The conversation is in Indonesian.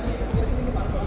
pak yasin dikit pak yasin